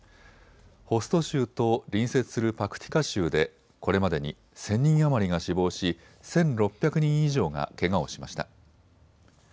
ホスト州と隣接するパクティカ州でこれまでに１０００人余りが死亡し、１６００人以上がけがをしました。